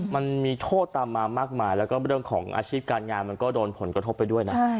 มันมีโทษตามมามากมายแล้วก็เรื่องของอาชีพการงานมันก็โดนผลกระทบไปด้วยนะ